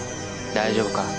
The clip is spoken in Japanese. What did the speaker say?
大丈夫か？